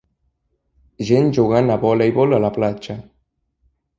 Gent jugant a voleibol a la platja